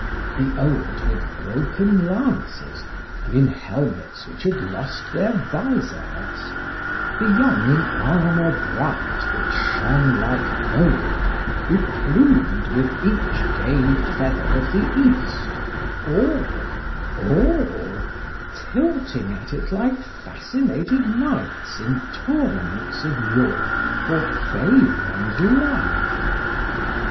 —The old with broken lances, and in helmets which had lost their vizards;—the young in armour bright which shone like gold, beplumed with each gay feather of the east,—all,—all, tilting at it like fascinated knights in tournaments of yore for fame and love.